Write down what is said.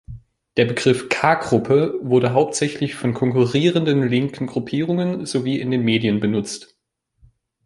Der Begriff „K-Gruppe“ wurde hauptsächlich von konkurrierenden linken Gruppierungen sowie in den Medien benutzt.